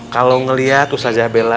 kalau ngeliat tuh saja bela